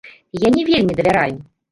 Я не вельмі давяраю.